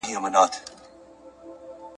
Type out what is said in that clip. د ژوند حق ساتل واجب دي.